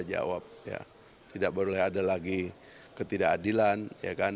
jawab ya tidak boleh ada lagi ketidakadilan ya kan